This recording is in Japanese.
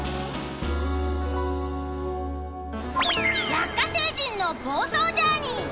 ラッカ星人の房総ジャーニー。